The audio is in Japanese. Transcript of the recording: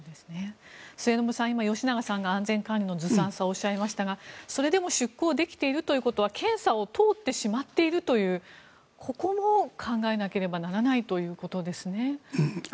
末延さん、今、吉永さんが安全管理のずさんさをおっしゃいましたが、それでも出港できているということは検査を通ってしまっているというここも考えなければならないということですね。